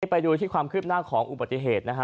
ไปดูที่ความคืบหน้าของอุบัติเหตุนะฮะ